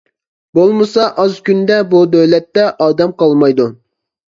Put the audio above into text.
بولمىسا ئاز كۈندە بۇ دۆلەتتە ئادەم قالمايدۇ.